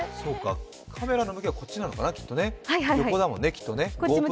カメラの向きはこっちなのかなきっとね、横だもんね。